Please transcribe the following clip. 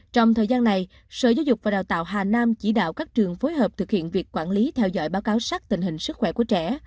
trong thời gian này sở giáo dục và đào tạo hà nam chỉ đạo các trường phối hợp thực hiện việc quản lý theo dõi báo cáo sát tình hình sức khỏe của trẻ